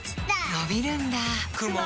のびるんだ